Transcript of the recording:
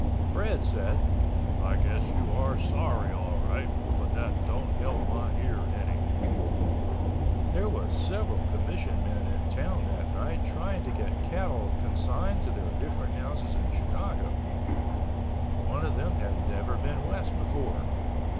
Fred said, "I guess you are sorry all right—but that don't help my ear any." There was several commission men in town that night, trying to get cattle consigned to their different houses in Chicago. One of them had never been West before.